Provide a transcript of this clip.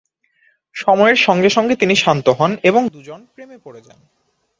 সময়ের সঙ্গে সঙ্গে, তিনি শান্ত হন এবং দুজন প্রেমে পড়ে যান।